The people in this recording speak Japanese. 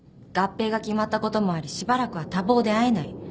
「合併が決まったこともありしばらくは多忙で会えない」